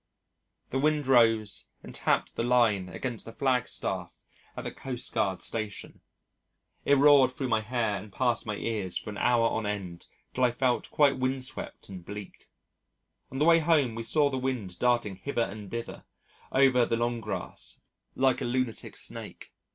The wind rose and tapped the line against the flag staff at the Coastguard Station. It roared through my hair and past my ears for an hour on end till I felt quite windswept and bleak. On the way home we saw the wind darting hither and thither over the long grass like a lunatic snake.